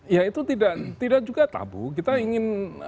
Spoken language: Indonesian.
ya itu tidak juga tabu kita ingin